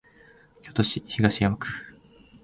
京都市東山区